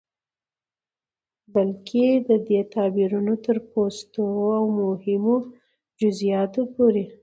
بلکې د دې تعبير تر پستو او مهينو جزيىاتو پورې